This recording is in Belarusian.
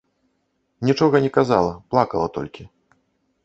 Нічога не казала, плакала толькі.